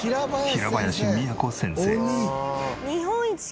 平林都先生。